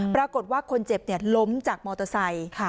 ปรากฏว่าคนเจ็บล้มจากมอเตอร์ไซค์